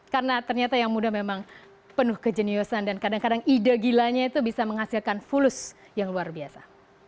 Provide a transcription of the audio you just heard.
karena ternyata yang muda memang penuh kejeniusan dan kadang kadang ide gilanya itu bisa menghasilkan fulus yang luar biasa